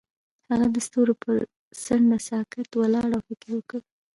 هغه د ستوري پر څنډه ساکت ولاړ او فکر وکړ.